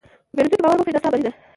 که پیرودونکی باور وکړي، دا ستا بری دی.